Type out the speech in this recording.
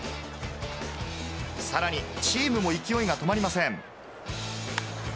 さらに、チームも勢いが止まりません。